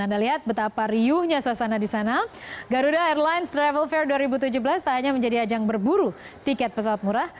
anda lihat betapa riuhnya suasana di sana garuda airlines travel fair dua ribu tujuh belas tak hanya menjadi ajang berburu tiket pesawat murah